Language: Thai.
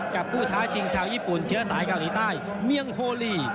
กับผู้ท้าชิงชาวญี่ปุ่นเชื้อสายเกาหลีใต้เมียงโฮลี